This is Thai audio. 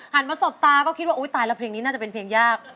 มาสบตาก็คิดว่าอุ๊ยตายแล้วเพลงนี้น่าจะเป็นเพลงยาก